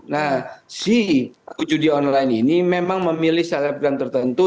nah si judi online ini memang memilih selebgram tertentu